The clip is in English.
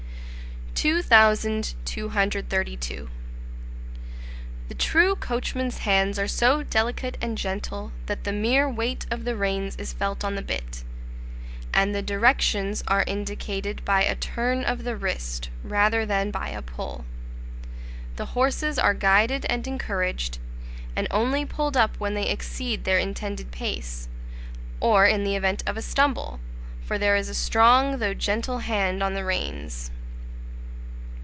2232. The true coachman's hands are so delicate and gentle, that the mere weight of the reins is felt on the bit, and the directions are indicated by a turn of the wrist rather than by a pull; the horses are guided and encouraged, and only pulled up when they exceed their intended pace, or in the event of a stumble; for there is a strong though gentle hand on the reins.